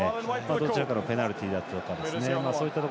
どちらかのペナルティがあって。